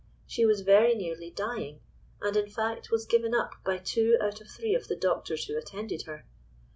She was very nearly dying, and in fact was given up by two out of three of the doctors who attended her!